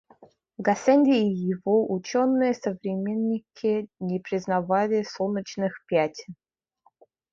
Гассенди и его ученые современники не признавали солнечных пятен.